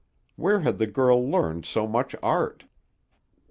Where had the girl learned so much art?